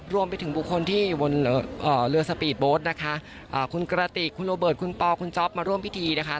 รวมไปถึงบุคคลที่อยู่บนเรือสปีดโบ๊ทนะคะคุณกระติกคุณโรเบิร์ตคุณปอคุณจ๊อปมาร่วมพิธีนะคะ